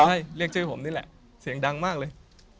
ใช่เรียกชื่อผมนี่แหละเสียงดังมากเลย